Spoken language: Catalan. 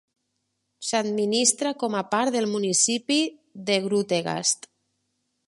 S'administra com a part del municipi de Grootegast.